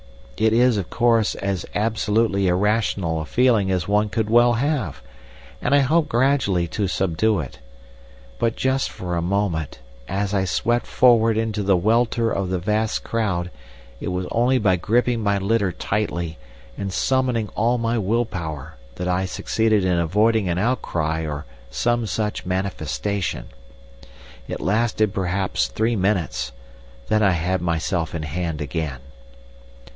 It is, of course, as absolutely irrational a feeling as one could well have, and I hope gradually to subdue it. But just for a moment, as I swept forward into the welter of the vast crowd, it was only by gripping my litter tightly and summoning all my will power that I succeeded in avoiding an outcry or some such manifestation. It lasted perhaps three minutes; then I had myself in hand again.